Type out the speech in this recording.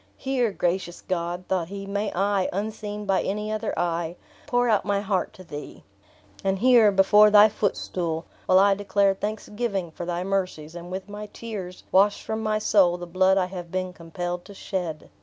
Here, gracious God," thought he, "may I, unseen by any other eye, pour out my heart to thee. And here, before thy footstool, will I declare thanksgiving for thy mercies; and with my tears wash from my soul the blood I have been compelled to shed!"